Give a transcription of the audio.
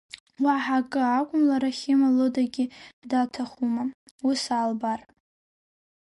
Уаҳа акы акәым лара Хьыма лыдагьы даҭахума, уи саалбар…